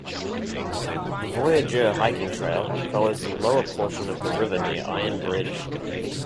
The Voyageur Hiking Trail follows the lower portion of the river near Iron Bridge.